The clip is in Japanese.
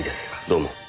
どうも。